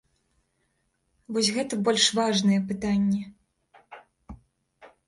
Вось гэта больш важныя пытанні.